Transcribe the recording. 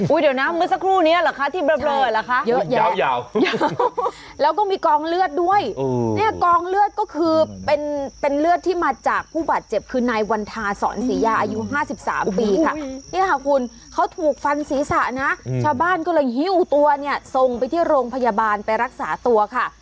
เดี๋ยวนะเมื่อสักครู่นี้เหรอคะที่เบลอเหรอคะเยอะยาวแล้วก็มีกองเลือดด้วยเนี่ยกองเลือดก็คือเป็นเป็นเลือดที่มาจากผู้บาดเจ็บคือนายวันทาสอนศรียาอายุ๕๓ปีค่ะเนี่ยค่ะคุณเขาถูกฟันศีรษะนะชาวบ้านก็เลยหิ้วตัวเนี่ยทรงไปที่โรงพยาบาลไปรักษาตัวค่ะ